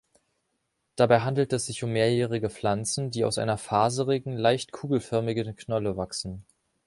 Dabei handelt es sich um mehrjährige Pflanzen, die aus einer faserigen, leicht kugelförmigen Knolle wachsen.